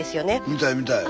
見たい見たい。